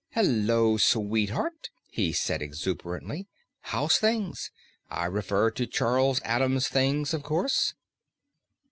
"Hullo, sweetheart," he said exuberantly. "How's things? I refer to Charles Addams Things, of course."